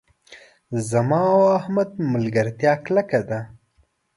زما او احمد ملګرتیا کلکه ده.